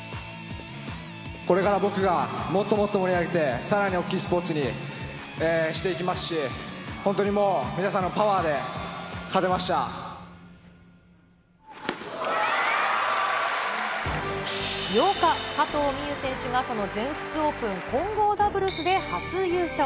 これから僕がもっともっと盛り上げて、さらに大きいスポーツにしていきますし、本当にもう、８日、加藤未唯選手がその全仏オープン混合ダブルスで初優勝。